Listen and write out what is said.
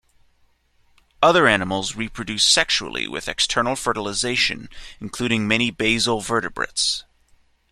Other animals reproduce sexually with external fertilization, including many basal vertebrates.